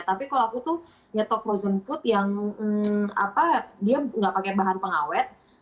tapi kalau aku tuh nyetok frozen food yang apa dia nggak pakai bahan pengawet